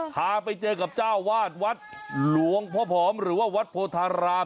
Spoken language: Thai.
พาไปเจอกับเจ้าวาดวัดหลวงพ่อผอมหรือว่าวัดโพธาราม